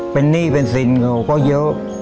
เป็นหนี้เป็นสินเขาก็เยอะ